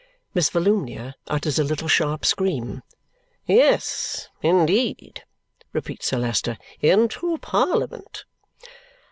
Miss Volumnia utters a little sharp scream. "Yes, indeed," repeats Sir Leicester. "Into Parliament."